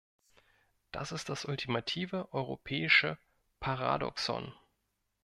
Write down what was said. Das ist das ultimative europäische Paradoxon.